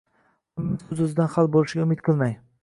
Hammasi o‘z-o‘zidan hal bo‘lishiga umid qilmang.